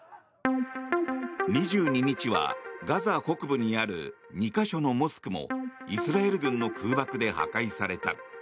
２２日はガザ北部にある２か所のモスクもイスラエル軍の空爆で破壊された。